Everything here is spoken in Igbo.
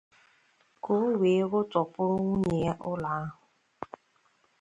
ka o wee rụtọpụrụ nwunye ya ụlọ ahụ